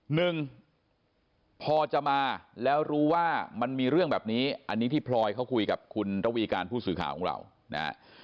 หนึ่งพอจะมาแล้วรู้ว่ามันมีเรื่องแบบนี้อันนี้ที่พลอยเขาคุยกับคุณระวีการผู้สื่อข่าวของเรานะฮะ